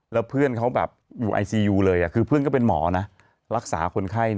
แล้วเพื่อนเขาแบบอยู่ไอซียูเลยคือเพื่อนก็เป็นหมอนะรักษาคนไข้